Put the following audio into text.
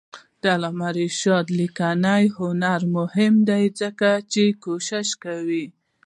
د علامه رشاد لیکنی هنر مهم دی ځکه چې کوشش کوي.